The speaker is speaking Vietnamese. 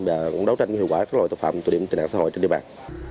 và cũng đấu tranh hiệu quả các loại tội phạm tụi điểm tình nạn xã hội trên địa bàn